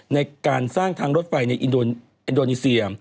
ในการสร้างทางรถไฟในอินโดนีเซีย